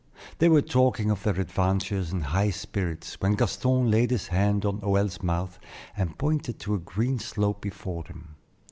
They were talking of their adventures in high spirits, when Gaston laid his hand on Hoël's mouth and pointed to a green slope before them.